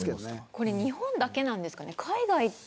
これ、日本だけなんですかね。